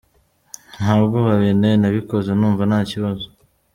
Nta bwoba binteye nabikoze numva nta kibazo.